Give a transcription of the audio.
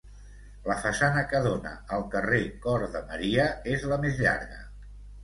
La façana que dóna al carrer Cor de Maria és la més llarga.